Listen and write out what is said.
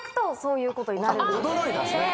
驚いたんですね。